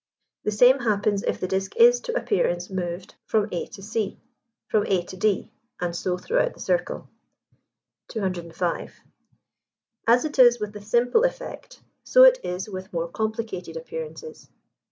The same happens if the disk is, to appearance, moved from a to c, from a to d, and so throughout the circle. 205. As it is with the simple effect, so it is with more complicated appearances.